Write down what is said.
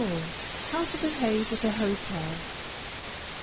HOW TO BEHAVE AT A HOTEL.